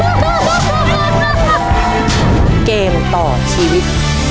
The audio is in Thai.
เกมต่อชีวิต